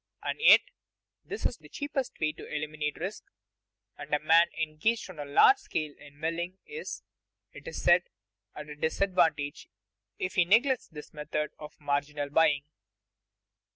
And yet this is the cheapest way to eliminate risk, and a man engaged on a large scale in milling is, it is said, at a disadvantage if he neglects this method of marginal buying.